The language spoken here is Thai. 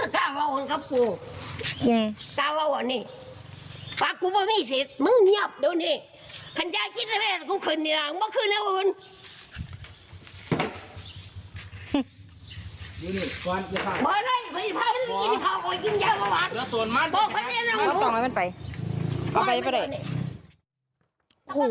ขันใจกินไหมกูขึ้นอย่างเมื่อคืนให้อุ้น